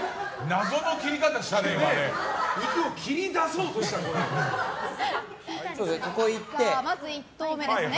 謎の切り方したね、今ね。